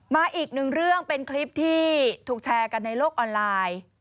มาอีกหนึ่งเรื่องเป็นคลิปที่ถูกแชร์กันในโลกออนไลน์